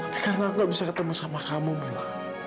tapi karena aku gak bisa ketemu sama kamu mila